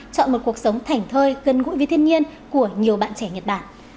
chọn một cuộc sống thảnh thơi gần gũi với thiên nhiên của nhiều bạn trẻ nhật bản